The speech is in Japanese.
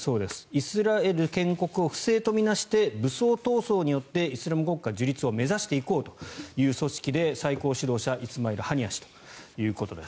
イスラエル建国を不正と見なして武装闘争によってイスラム国家樹立を目指していこうということで最高指導者はイスマイル・ハニヤ氏ということです。